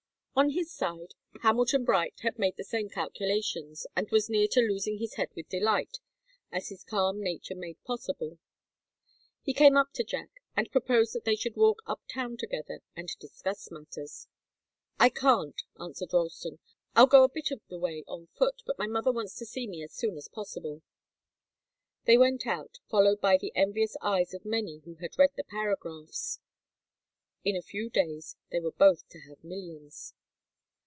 On his side, Hamilton Bright had made the same calculations, and was as near to losing his head with delight as his calm nature made possible. He came up to Jack, and proposed that they should walk up town together and discuss matters. "I can't," answered Ralston. "I'll go a bit of the way on foot, but my mother wants to see me as soon as possible." They went out, followed by the envious eyes of many who had read the paragraphs. In a few days they were both to have millions.